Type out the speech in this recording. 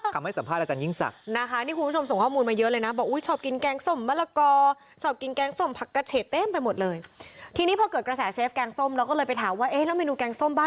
กรรมให้สัมภาษณ์อาจารย์ยิ่งศักดิ์นะคะนี่คุณผู้ชมส่งข้อมูลมา